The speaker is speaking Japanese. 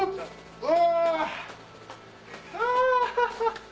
うわ！